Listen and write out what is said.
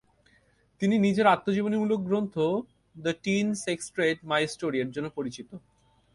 তিনি নিজের আত্মজীবনীমূলক গ্রন্থ "the teen sex trade: my story" এর জন্য পরিচিত।